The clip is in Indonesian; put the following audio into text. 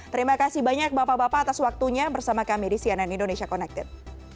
terima kasih banyak bapak bapak atas waktunya bersama kami di cnn indonesia connected